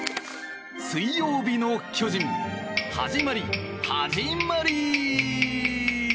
水曜日の巨人始まり、始まり。